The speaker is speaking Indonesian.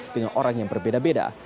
dengan orang yang berbeda beda